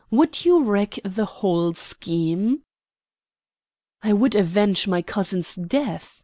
Would you wreck the whole scheme?" "I would avenge my cousin's death!"